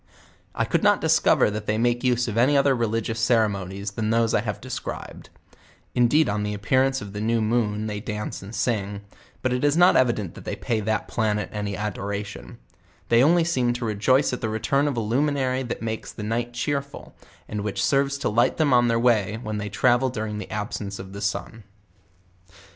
I could not discover that they make use of any other reli gious ceramonies than those I have deocribed; indeed on the appearance of the new rnoon they dance and sing; but it is not evident that they pay that planet any adoration; they on ly seem to rejoice at the return of a luminary that makes the night cheerful, and which serves to light them on their way when they travel during the absence of the sun.